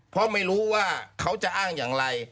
เพราะไม่รู้ว่าเขาจะอ้างอย่างไร